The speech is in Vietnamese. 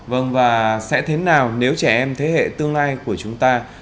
vâng và sẽ thế nào nếu trẻ em thế hệ tương lai của chúng ta